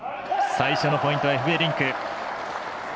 最初のポイント、エフベリンク。